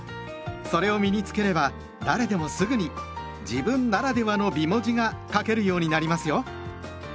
それを身に付ければ誰でもすぐに「自分ならではの美文字」が書けるようになりますよ。